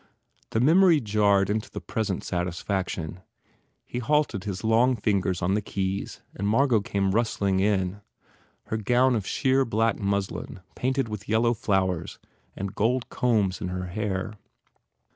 The mem ory jarred into the present satisfaction. He halted his long fingers on the keys and Margot came rustling in, her gown of sheer black muslin painted with yellow flowers and gold combs in her hair.